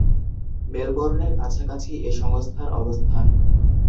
মেলবোর্নের কাছাকাছি এ সংস্থার অবস্থান।